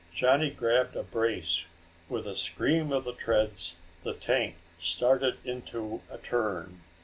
Johnny grabbed a brace. With a scream of the treads, the tank started into a turn.